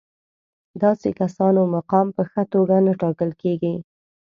داسې کسانو مقام په ښه توګه نه ټاکل کېږي.